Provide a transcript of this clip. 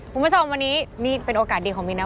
คุณผู้ชมวันนี้นี่เป็นโอกาสดีของมินนะ